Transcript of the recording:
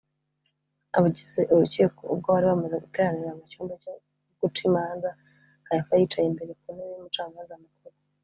abagize urukiko ubwo bari bamaze guteranira mu cyumba cyo guca imanza, kayafa yicaye imbere ku ntebe y’umucamanza mukuru